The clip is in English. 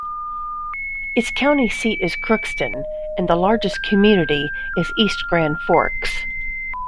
Its county seat is Crookston, and the largest community is East Grand Forks.